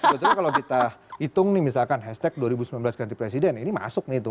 sebetulnya kalau kita hitung nih misalkan hashtag dua ribu sembilan belas ganti presiden ini masuk nih tuh